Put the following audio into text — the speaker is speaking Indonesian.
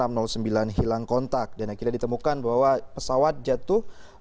dengan pengoperasian pesawat ini